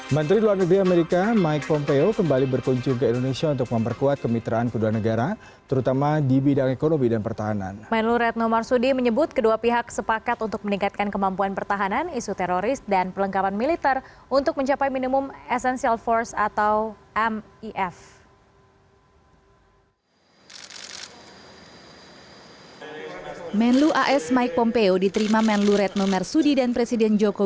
menlu as mike pompeo diterima menlu red no marsudi dan presiden joko widodo di jepang